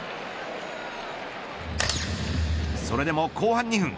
それでも後半２分。